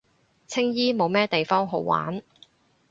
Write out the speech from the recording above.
青衣冇乜地方好玩